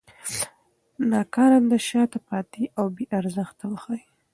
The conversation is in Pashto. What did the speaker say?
ناکارنده، شاته پاتې او بې ارزښته وښيي.